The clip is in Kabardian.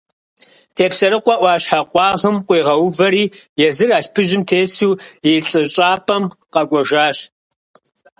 Тепсэрыкъуэ Ӏуащхьэ къуагъым къуигъэувэри езыр алъпыжьым тесу и лӀыщӀапӀэм къэкӀуэжащ.